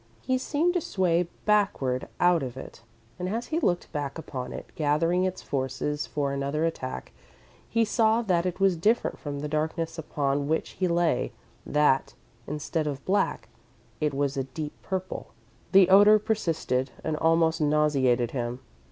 He seemed to sway backward out of it, and as he looked back upon it, gathering its forces for another attack, he saw that it was different from the darkness upon which he lay that, instead of black, it was a deep purple. The odour persisted and almost nauseated him.